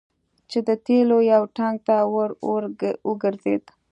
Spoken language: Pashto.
چې د تیلو یو ټانګ ته ور وګرځید.